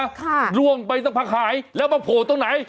ค่ะล่วงไปสักพักหายแล้วมาโผล่ตรงไหน